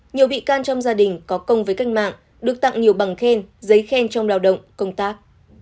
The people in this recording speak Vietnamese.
nhiều bị can trong gia đình có công với cách mạng được tặng nhiều bằng khen giấy khen trong lao động công tác